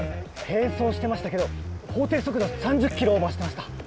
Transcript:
並走してましたけど法定速度３０キロオーバーしてました！